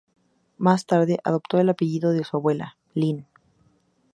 Más tarde, adoptó el apellido de su abuela, Lynn.